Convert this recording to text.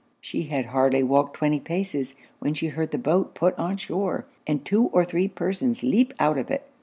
She had hardly walked twenty paces, when she heard the boat put on shore, and two or three persons leap out of it.